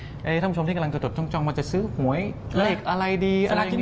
ท่านผู้ชมที่กำลังจะจดช่องมาจะซื้อหวยเลขอะไรดี